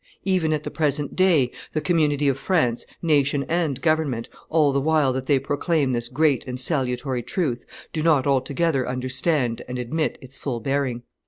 Even at the present day, the community of France, nation and government, all the while that they proclaim this great and salutary truth, do not altogether understand and admit its full bearing.